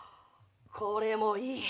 これもいい！